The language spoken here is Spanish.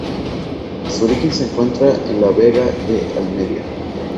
Su origen se encuentra en la Vega de Almería.